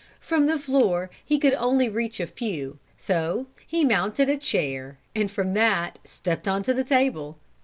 From the floor he could only reach a few, so he mounted a chair, and from that stepped onto the table.